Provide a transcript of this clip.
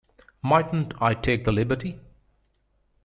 Mightn't I take the liberty?